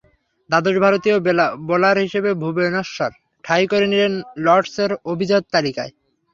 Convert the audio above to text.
দ্বাদশ ভারতীয় বোলার হিসেবে ভুবনেশ্বর ঠাঁই করে নিলেন লর্ডসের অভিজাত তালিকায়।